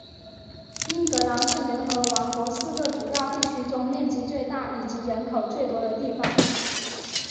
英格兰是联合王国四个主要地区中面积最大以及人口最多的地方。